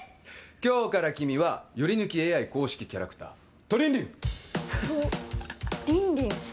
今日から君はヨリヌキＡＩ公式キャラクタートリンリントリンリン？